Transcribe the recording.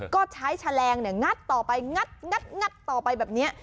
ก็ใช้แชลงเนี่ยงัดต่อไปงัดงัดงัดต่อไปแบบเนี้ย